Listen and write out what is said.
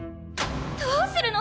どうするの⁉